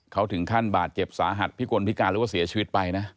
เขาถึงขั้นบาดเจ็บสาหัสพิกลพิการหรือว่าเสียชีวิตไปนะ